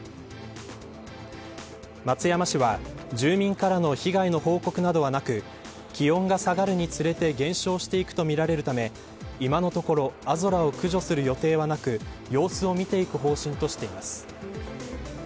松山市は、住民からの被害の報告などはなく気温が下がるにつれて減少していくとみられるため今のところアゾラを駆除する予定はなく様子を見ていく方針としています。